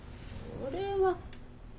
それは。